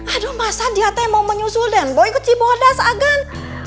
aduh masa dia mau menyusul dan boy ke cibodas agan